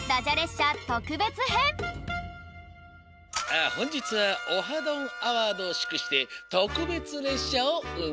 あほんじつは「オハ！どんアワード」をしゅくしてとくべつれっしゃをうん